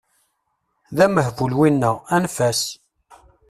D amehbul winna, anef-as!